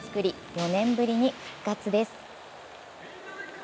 ４年ぶりに復活です